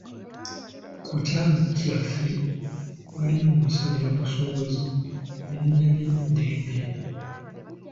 Ku kyaalo ky'ewaffe waaliyo omusajja omusuubuzi erinnya lye Dembe.